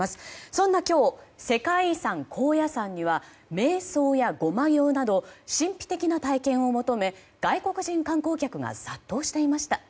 そんな今日世界遺産・高野山には瞑想や護摩行など神秘的な体験を求め外国人観光客が殺到していました。